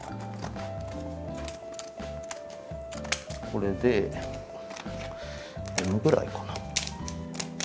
これでＭぐらいかな？